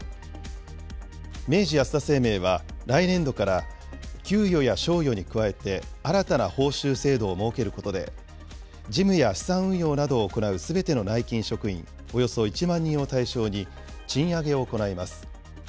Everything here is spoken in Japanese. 明治安田生命は、来年度から、給与や賞与に加えて、新たな報酬制度を設けることで、事務や資産運用などを行うすべての内勤職員、およそ１万人を対象に、賃上げを行います。